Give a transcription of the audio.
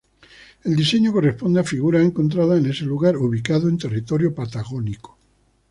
El diseño corresponde a figuras encontradas en ese lugar, ubicado en territorio patagónico.